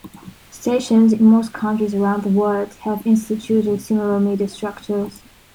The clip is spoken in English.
Stations in most countries around the world have instituted similar media structures.